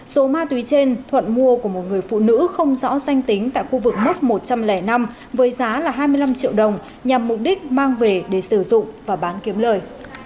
số ma túy trên thuận mua của một người phụ nữ không rõ danh tính tại khu vực mốc một trăm linh năm với giá là hai mươi năm triệu đồng nhằm mục đích mang về để sử dụng và bán kiếm lời